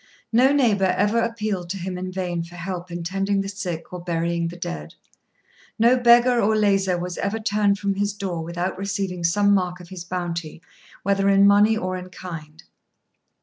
No neighbour ever appealed to him in vain for help in tending the sick or burying the dead. No beggar or lazar was ever turned from his door without receiving some mark of his bounty, whether in money or in kind.